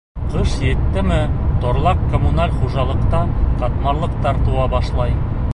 Ҡыш еттеме, торлаҡ-коммуналь хужалыҡта ҡатмарлыҡтар тыуа башлай.